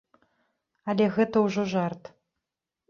Але гэта ўжо жарт.